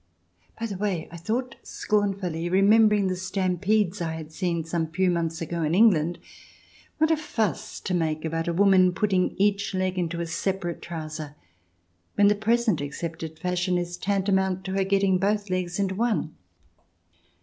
By CH. II] HAREM SKIRTS 25 the way, 1 thought scornfully, remembering the stampedes I had seen some few months ago in Eng land, what a fuss to make about a woman putting each leg into a separate trouser, when the present accepted fashion is tantamount to her getting both legs into one